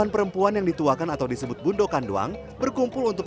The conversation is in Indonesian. perempuan yang dituakan atau disebut bundo kanduang berkumpul untuk